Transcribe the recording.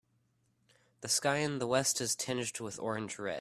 The sky in the west is tinged with orange red.